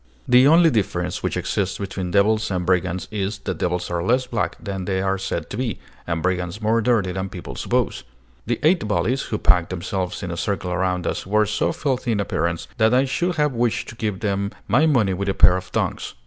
The only difference which exists between devils and brigands is, that devils are less black than they are said to be, and brigands more dirty than people suppose. The eight bullies, who packed themselves in a circle around us, were so filthy in appearance that I should have wished to give them my money with a pair of tongs.